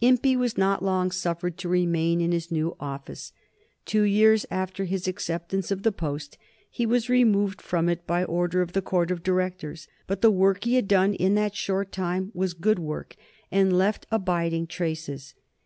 Impey was not long suffered to remain in his new office. Two years after his acceptance of the post he was removed from it by order of the Court of Directors. But the work he had done in that short time was good work and left abiding traces.